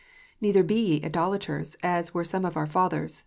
"Neither be ye idolators, as were some of our fathers."